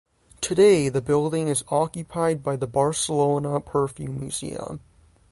Today the building is occupied by the Barcelona Perfume Museum.